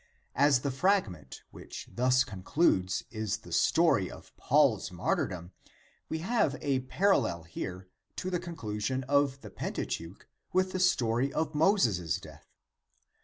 As the fragment which thus concludes is the story of Paul's martyr dom, we have a parallel here to the conclusion of the Penta teuch with the story of Moses' death.